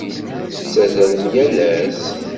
Tettazzalem yal ass?